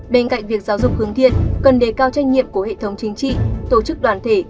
bên cạnh việc giáo dục hướng thiện cần đề cao trách nhiệm của hệ thống chính trị tổ chức đoàn thể